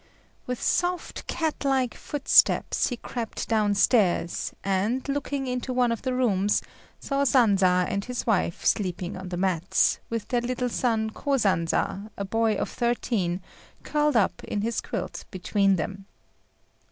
With soft, cat like footsteps he crept downstairs, and, looking into one of the rooms, saw Sanza and his wife sleeping on the mats, with their little son Kosanza, a boy of thirteen, curled up in his quilt between them.